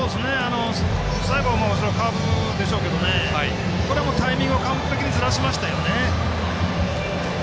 最後、カーブでしょうけどこれもタイミング完璧にずらしましたよね。